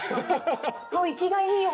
もう生きがいいよ。